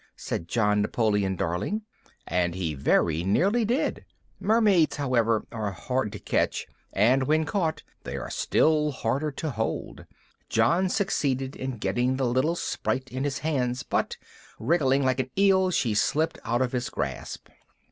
said John Napoleon Darling, and he very nearly did. Mermaids, however, are hard to catch, and when caught, are still harder to hold. John succeeded in getting the little sprite in his hands but, wriggling like an eel, she slipped out of his grasp.